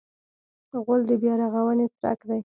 غول د بیا رغونې څرک دی.